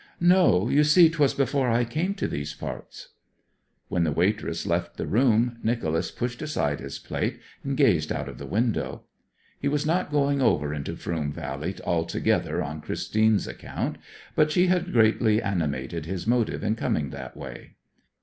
'No. You see 'twas before I came to these parts.' When the waitress left the room, Nicholas pushed aside his plate and gazed out of the window. He was not going over into the Froom Valley altogether on Christine's account, but she had greatly animated his motive in coming that way.